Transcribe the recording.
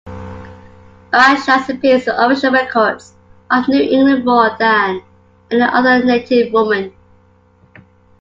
Awashonks appears in official records of New England more than any other native woman.